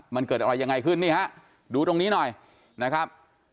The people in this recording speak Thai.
มันเกิดอะไรยังไงขึ้นนี่ฮะดูตรงนี้หน่อยนะครับ